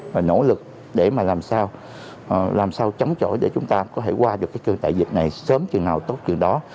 và nỗ lực để mà làm sao chống chổi để chúng ta có thể qua được cơn đại dịch này sớm chừng nào tốt chừng đó